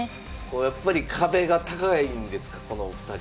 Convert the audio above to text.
やっぱり壁が高いんですかこのお二人。